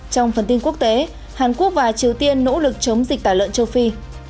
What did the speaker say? trong phần tin quốc tế hàn quốc và triều tiên nỗ lực chống dịch tả lợn châu phi